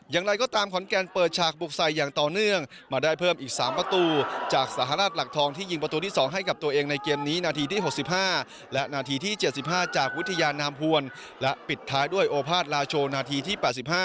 อย่างไรก็ตามขอนแก่นเปิดฉากบุกใส่อย่างต่อเนื่องมาได้เพิ่มอีก๓ประตูจากสหรัฐหลักทองที่ยิงประตูที่๒ให้กับตัวเองในเกมนี้นาทีที่๖๕และนาทีที่๗๕จากวิทยานามพวนและปิดท้ายด้วยโอภาษลาโชว์นาทีที่๘๕